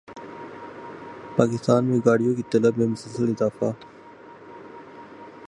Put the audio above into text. پاکستان میں گاڑیوں کی طلب میں مسلسل اضافہ